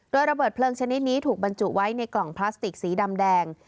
โดยระเบิดเพลิงชนิดนี้ถูกบรรจุไว้ในกล่องพลาสติกสีดำแดง